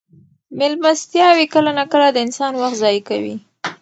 مېلمستیاوې کله ناکله د انسان وخت ضایع کوي.